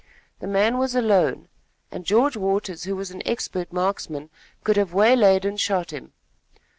The man was alone, and George Waters, who was an expert marksman, could have waylaid and shot him.